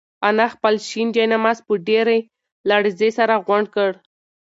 انا خپل شین جاینماز په ډېرې لړزې سره غونډ کړ.